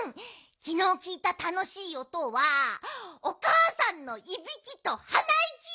きのうきいたたのしいおとはおかあさんのいびきとはないき！